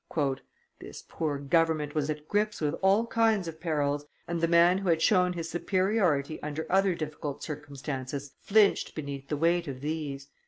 "This poor government was at grips with all kinds of perils, and the man who had shown his superiority under other difficult circumstances flinched beneath the weight of these.